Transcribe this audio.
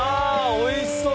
おいしそう！